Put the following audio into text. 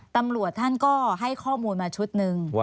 ตำรวจท่านก็ให้ข้อมูลมาชุดหนึ่ง